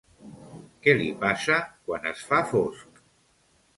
Què li passa quan es fa fosc?